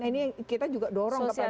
ini kita juga dorong